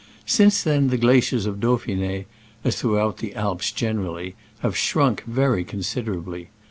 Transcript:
Since then the gla ciers of Dauphine (as throughout the Alps generally) have shrunk very considerably.